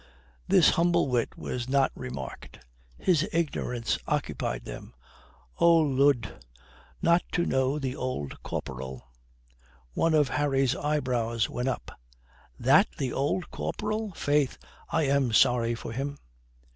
This humble wit was not remarked. His ignorance occupied them, "Oh Lud, not to know the Old Corporal!" One of Harry's eyebrows went up. "That the Old Corporal? Faith, I am sorry for him."